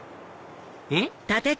えっ？